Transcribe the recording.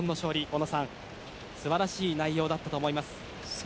小野さん、素晴らしい内容だったと思います。